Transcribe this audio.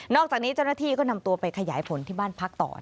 จากนี้เจ้าหน้าที่ก็นำตัวไปขยายผลที่บ้านพักต่อ